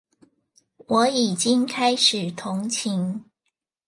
我已經開始同情